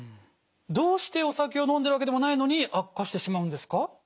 どうしてお酒を飲んでるわけでもないのに悪化してしまうんですか？